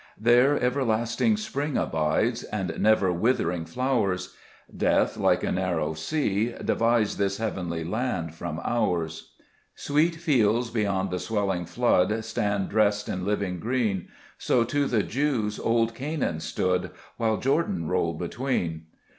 2 There everlasting spring abides, And never withering flowers ; Death, like a narrow sea, divides This heavenly land from ours. *■ 53 vTbe JBest Cburcb Ibigmns* 3 Sweet fields beyond the swelling flood Stand dressed in living green ; So to the Jews old Canaan stood, While Jordan rolled between.